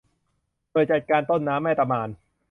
หน่วยจัดการต้นน้ำแม่ตะมาน